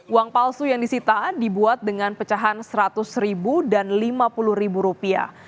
uang palsu yang disita dibuat dengan pecahan seratus ribu dan lima puluh ribu rupiah